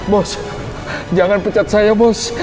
bos jangan pecat saya bos